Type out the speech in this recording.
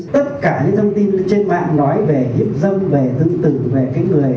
tất cả những thông tin trên mạng nói về hiếp dâm về thương tử về cái người